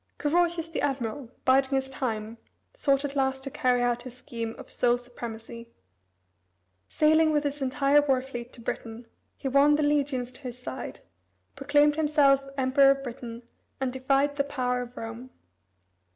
Carausius the admiral, biding his time, sought at last to carry out his scheme of sole supremacy. Sailing with his entire war fleet to Britain, he won the legions to his side, proclaimed himself Emperor of Britain, and defied the power of Rome.